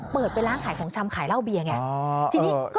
เปิดเป็นร้านขายของชำขายเหล้าเบียร์ไง